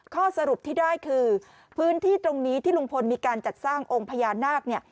ข้อสรุปที่ได้คือพื้นที่ตรงนี้ที่ลุงพลมีการจัดสร้างองค์พญานาคเนี่ย